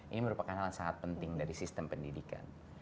ini merupakan hal yang sangat penting dari sistem pendidikan